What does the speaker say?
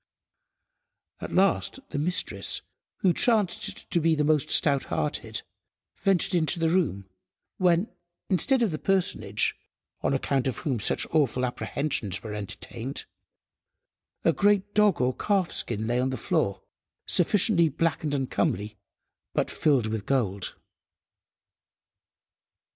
At last the mistress, who chanced to be the most stout–hearted, ventured into the room when, instead of the personage, on account of whom such awful apprehensions were entertained, a great dog or calf–skin lay on the floor, sufficiently black and uncomely, but filled with gold.